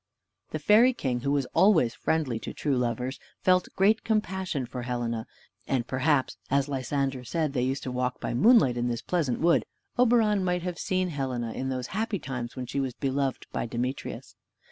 The fairy king, who was always friendly to true lovers, felt great compassion for Helena; and perhaps, as Lysander said they used to walk by moonlight in this pleasant wood, Oberon might have seen Helena in those happy times when she was beloved by Demetrius.